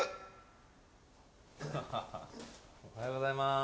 おはようございまーす